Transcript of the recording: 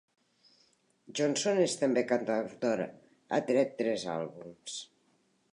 Johnson és també cantautora; ha tret tres àlbums.